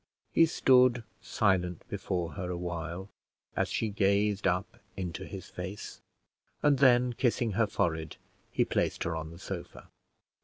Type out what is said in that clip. He stood silent before her awhile, as she gazed up into his face, and then kissing her forehead he placed her on the sofa.